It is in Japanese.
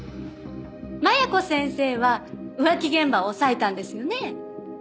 麻弥子先生は浮気現場を押さえたんですよね。